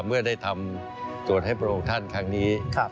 เมื่อได้ทำโจทย์ให้พระองค์ท่านครั้งนี้